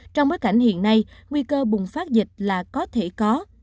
trong bối cảnh hiện nay nguy cơ bùng phát dịch là có thể có